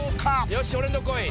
よし俺のこい。